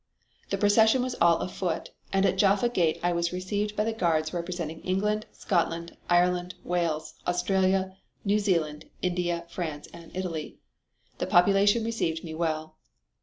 "The procession was all afoot, and at Jaffa gate I was received by the guards representing England, Scotland, Ireland, Wales, Australia, New Zealand, India, France and Italy. The population received me well.